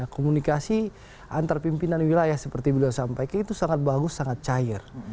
komunikasi antar pimpinan wilayah seperti yang sudah saya sampaikan itu sangat bagus sangat cair